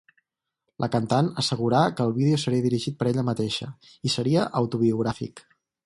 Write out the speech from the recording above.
La cantant assegurà que el vídeo seria dirigit per ella mateixa, i seria autobiogràfic.